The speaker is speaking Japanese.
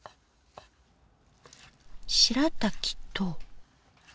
しらたきと。